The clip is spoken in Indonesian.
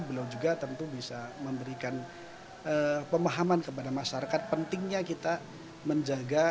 belum juga tentu bisa memberikan pemahaman kepada masyarakat pentingnya kita menjaga